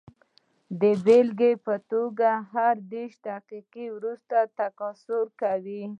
د بېلګې په توګه هر دېرش دقیقې وروسته تکثر کوي.